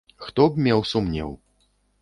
Хто б меў сумнеў.